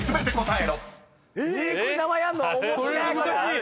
え！